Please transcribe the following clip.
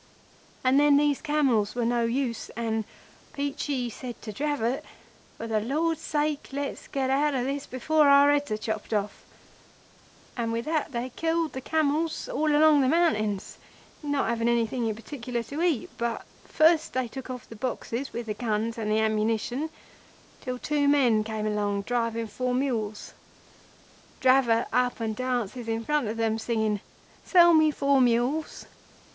And then these camels were no use, and Peachey said to Dravot—'For the Lord's sake, let's get out of this before our heads are chopped off,' and with that they killed the camels all among the mountains, not having anything in particular to eat, but first they took off the boxes with the guns and the ammunition, till two men came along driving four mules. Dravot up and dances in front of them, singing,—'Sell me four mules.